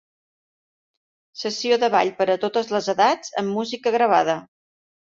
Sessió de ball per a totes les edats amb música gravada.